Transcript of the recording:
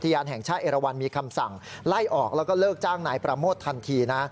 ยานแห่งชาติเอราวันมีคำสั่งไล่ออกแล้วก็เลิกจ้างนายประโมททันทีนะ